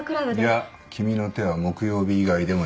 いや君の手は木曜日以外でも汚れてる。